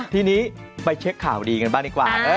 ทีนี้ไปเช็คข่าวดีกันบ้างดีกว่า